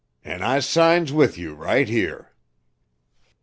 "An' I signs with you right here."